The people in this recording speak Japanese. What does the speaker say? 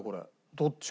どっちか。